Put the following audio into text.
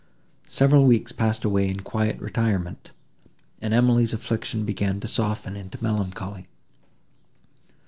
Several weeks passed away in quiet retirement, and Emily's affliction began to soften into melancholy.